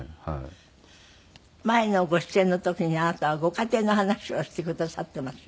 前のご出演の時にあなたはご家庭の話をしてくださってますよ。